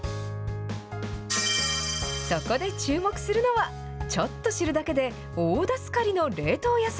そこで注目するのは、ちょっと知るだけで大助かりの冷凍野菜。